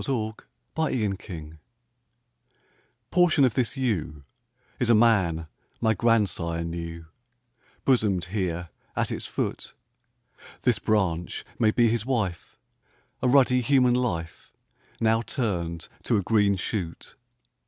â TRANSFORMATIONS PORTION of this yew Is a man my grandsire knew, Bosomed here at its foot: This branch may be his wife, A ruddy human life Now turned to a green shoot.